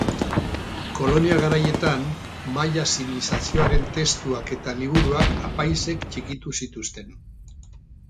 Kolonia garaietan maia zibilizazioaren testuak eta liburuak apaizek txikitu zituzten.